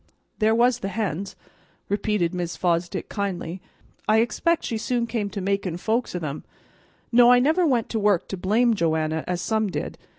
"There was the hens," repeated Mrs. Fosdick kindly. "I expect she soon came to makin' folks o' them. No, I never went to work to blame Joanna, as some did.